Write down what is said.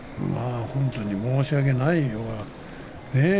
本当に申し訳ないような。